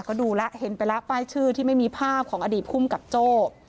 ก็ดูแล้วเห็นไปแล้วป้ายชื่อที่ไม่มีภาพของอดีตภูมิกับโจ้